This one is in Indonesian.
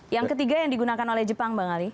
yang ketiga yang digunakan oleh jepang bang ali